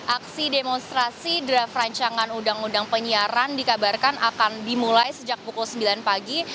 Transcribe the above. aksi demonstrasi draft rancangan undang undang penyiaran dikabarkan akan dimulai sejak pukul sembilan pagi